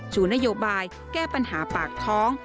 ชูนโยบายแก้ปัญหาปากท้อง